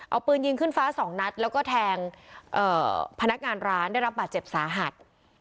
เอาปืนยิงขึ้นฟ้าสองนัดแล้วก็แทงพนักงานร้านได้รับบาดเจ็บสาหัส